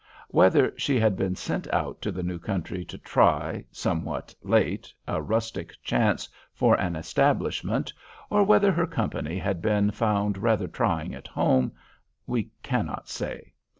Whether she had been sent out to the new country to try, somewhat late, a rustic chance for an establishment, or whether her company had been found rather trying at home, we cannot say.